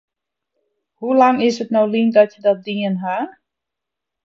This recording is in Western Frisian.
Hoe lang is it no lyn dat je dat dien ha?